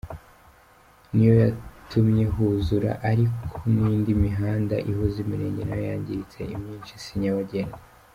Niyo yatumye huzura, ariko n’indi mihanda ihuza imirenge nayo yangiritse, imyinshi si nyabagendwa.